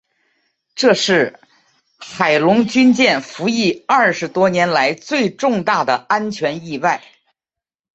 这是海龙军舰服役二十多年来最重大的安全意外。